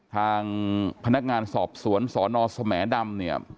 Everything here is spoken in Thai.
ทางพนักงานสอบสวนสนสมดำ